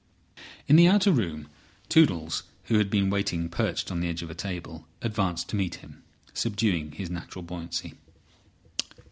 In the outer room Toodles, who had been waiting perched on the edge of a table, advanced to meet him, subduing his natural buoyancy.